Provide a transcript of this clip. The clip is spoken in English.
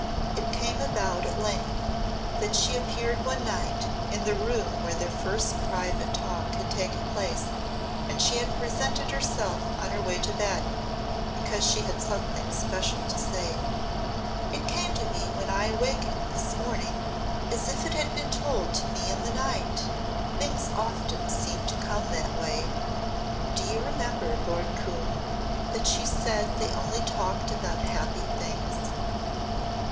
It came about at length that she appeared one night, in the room where their first private talk had taken place and she had presented herself on her way to bed, because she had something special to say. "It came to me when I awakened this morning as if it had been told to me in the night. Things often seem to come that way. Do you remember, Lord Coombe, that she said they only talked about happy things?"